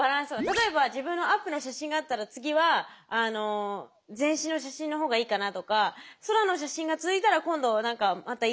例えば自分のアップの写真があったら次は全身の写真の方がいいかなとか空の写真が続いたら今度何かまた色とか考えた方がいいかなとか。